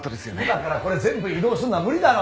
今からこれ全部移動するのは無理だろ！